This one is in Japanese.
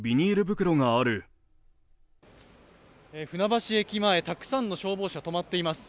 船橋駅前、たくさんの消防車が止まっています。